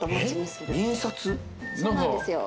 そうなんですよ。